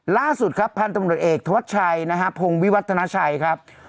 ล่าสุดครับพันธุ์ตำรวจเอกธวัชชัยนะฮะพงวิวัฒนาชัยครับ